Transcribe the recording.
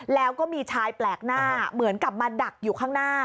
แล้วก็มีชายแปลกหน้าเหมือนกับมาดักอยู่ข้างหน้า